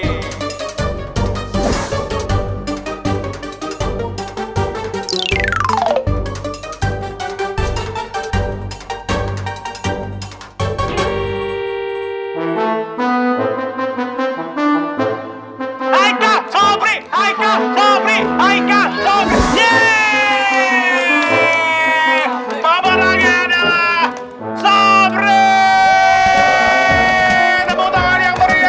temu tangan yang berian